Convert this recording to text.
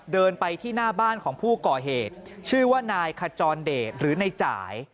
เดินไปที่หน้าบ้านของผู้ก่อเหตุชื่อว่านายขจรเดชหรือในจ่าย